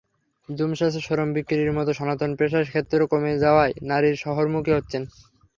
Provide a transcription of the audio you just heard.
জুমচাষে শ্রম বিক্রির মতো সনাতন পেশার ক্ষেত্র কমে যাওয়ায় নারীরা শহরমুখী হচ্ছেন।